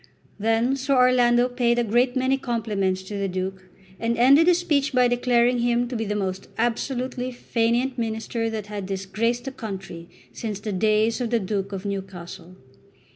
Then Sir Orlando paid a great many compliments to the Duke, and ended his speech by declaring him to be the most absolutely fainéant minister that had disgraced the country since the days of the Duke of Newcastle.